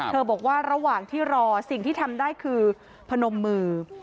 บอกว่าระหว่างที่รอสิ่งที่ทำได้คือพนมมือ